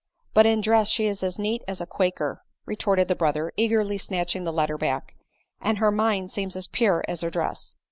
" But in dress she is as neat as a quaker," retorted the brother, eagerly snatching the letter back, "and her mind seems as pure as her dress."